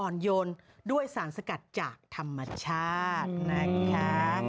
โยนด้วยสารสกัดจากธรรมชาตินะคะ